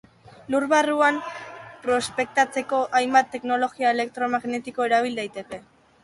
Lur barruan prospektatzeko hainbat teknologia elektro-magnetiko erabil daiteke.